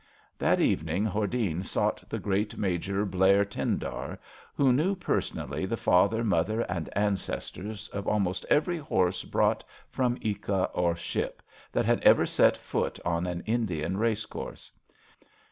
'' That evening Hordene sought the great Major Blare Tyndar, who knew personally the father, mother and ancestors of almost every horse brought from ekJca or ship, that had ever set foot on an Lidian race course.